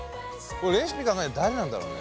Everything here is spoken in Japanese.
レシピ考えたの誰なんだろうね。